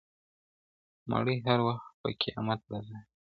مړی هر وخت په قيامت رضا وي.